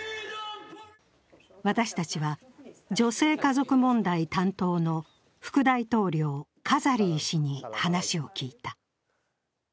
私たちは、女性・家族問題担当の副大統領、カザリィ氏に話を聞いた。